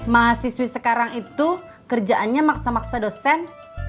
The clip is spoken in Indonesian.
mahasiswi sekarang itu kerjaannya maksa maksa dosen